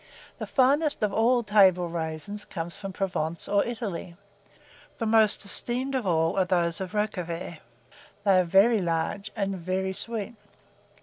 The finest of all table raisins come from Provence or Italy; the most esteemed of all are those of Roquevaire; they are very large and very sweet.